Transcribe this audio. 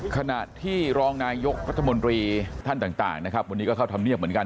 ขณะที่รองนายกรัฐมนตรีท่านต่างนะครับวันนี้ก็เข้าธรรมเนียบเหมือนกัน